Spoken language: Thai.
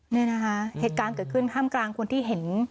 นี่นะคะเหตุการณ์เกิดขึ้นท่ามกลางคนที่เห็น